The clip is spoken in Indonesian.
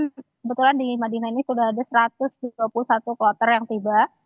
kebetulan di madinah ini sudah ada satu ratus dua puluh satu kloter yang tiba